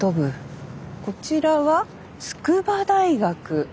こちらは筑波大学。